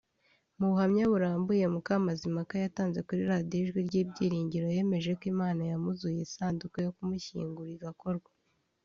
Mu buhamya burambuye Mukamazimpaka yatanze kuri radio Ijwi ry’Ibyiringiro yemeje ko Imana yamuzuye isanduku yo kumushyingura igakorwa